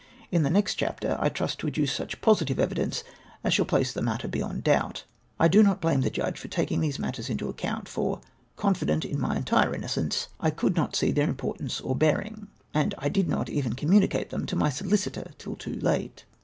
In the next chapter I trust vO adduce such jyositive evidence as shall place the matter beyond doubt. I do not blame the Judge for not taking these matters into account, for, confident in my entire innocence, I 7. .3 342 EEMARKS ON THE ALLEGED HOAX, could not see their importance or bearing, and did not even comminiicate tlieni to my solicitor till too late.